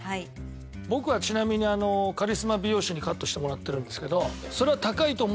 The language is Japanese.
僕はちなみにカリスマ美容師にカットしてもらってるんですけど。